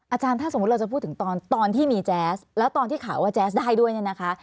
อาจารย์ถ้าสมมุติเราจะพูดถึงตอนที่ข่าวว่าแจ๊สได้ด้วยเนี่ยนะคะ